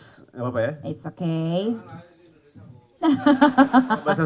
saya memeh pernah ketemu